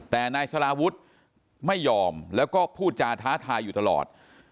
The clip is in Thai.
แต่นายสลาวุฒิไม่ยอมแล้วก็พูดจาท้าทายอยู่ตลอด